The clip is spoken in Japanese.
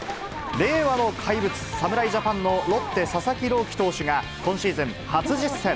令和の怪物、侍ジャパンのロッテ、佐々木朗希投手が今シーズン初実戦。